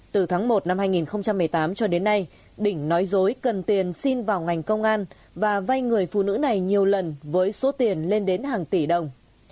từ tháng một năm hai nghìn một mươi tám cho đến nay đỉnh nói dối cần tiền xin vào ngành công an và vay người phụ nữ này nhiều lần với số tiền lên đến hàng tỷ đồng